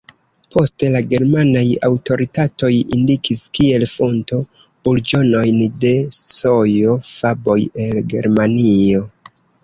Poste la germanaj aŭtoritatoj indikis kiel fonto burĝonojn de sojo-faboj el Germanio.